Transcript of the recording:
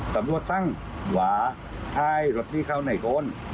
สำนวทธ์สร้างหวะให้รถที่เข้าในโกล